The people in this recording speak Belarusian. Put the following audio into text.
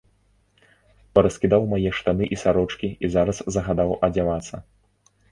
Параскідаў мае штаны і сарочкі і зараз загадаў адзявацца.